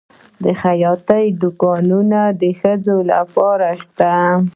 د خیاطۍ دوکانونه د ښځو لپاره شته؟